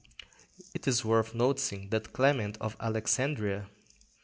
It is worth noticing that Clement of Alexandria (Strom.